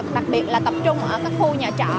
đặc biệt là tập trung ở các khu nhà trọ